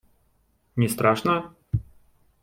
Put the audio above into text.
Не страшно?